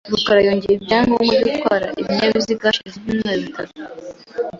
rukara yongeye ibyangombwa byo gutwara ibinyabiziga hashize ibyumweru bitatu .